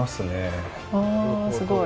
すごい！